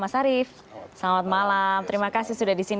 mas arief selamat malam terima kasih sudah di sini